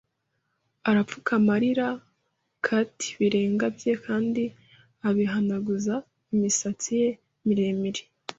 arapfukama aririra kti birenge bye kandi abihanaguza imisatsi ye miremire.